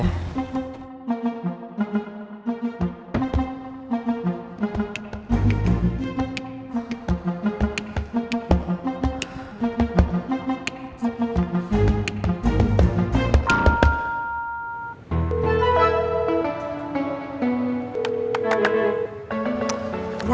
pernah aja udah